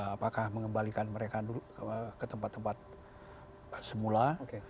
apakah mengembalikan mereka ke tempat tempat semula